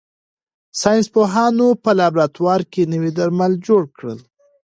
ساینس پوهانو په لابراتوار کې نوي درمل جوړ کړل.